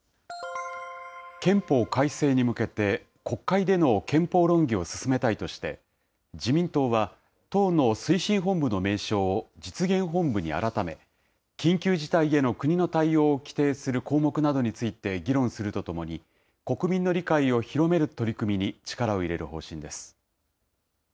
憲法改正に向けて、国会での憲法論議を進めたいとして、自民党は、党の推進本部の名称を実現本部に改め、緊急事態での国の対応を規定する項目などについて議論するとともに、国民の理解を広める取り組みに力を入れる方針です。